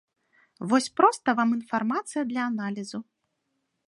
Вось проста вам інфармацыя для аналізу.